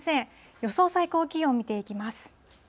予想最高気温見ていきます。